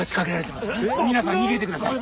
皆さん逃げてください。